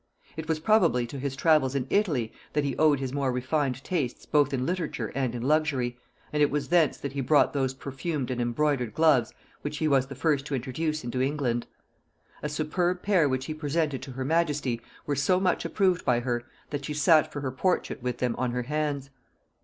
It was probably to his travels in Italy that he owed his more refined tastes both in literature and in luxury, and it was thence that he brought those perfumed and embroidered gloves which he was the first to introduce into England. A superb pair which he presented to her majesty were so much approved by her, that she sat for her portrait with them on her hands.